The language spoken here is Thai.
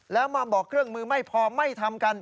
แล้วมาบอกเครื่องมือไม่พอไม่ทำกัน